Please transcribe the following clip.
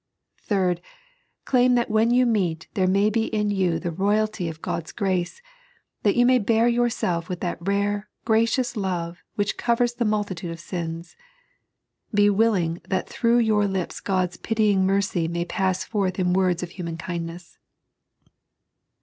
Third, claim that when you meet there may be in you the royalty of God's grace, that you may bear yourself with that rare, gracious love which covers the multitude of sins. Be willing that through your lips Gods pitying mercy may pass forth in words of human kindness.